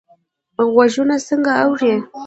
غوږونه څنګه اوري؟